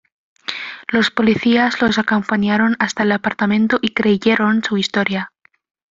Los policías los acompañaron hasta el apartamento y creyeron su historia.